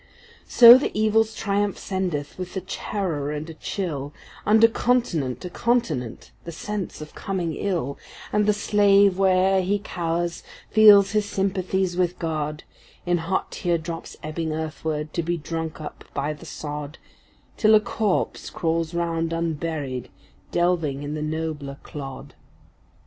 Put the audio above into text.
So the Evil’s triumph sendeth, with a terror and a chill, Under continent to continent, the sense of coming ill, And the slave, where’er he cowers, feels his sympathies with God In hot tear drops ebbing earthward, to be drunk up by the sod, Till a corpse crawls round unburied, delving in the nobler clod.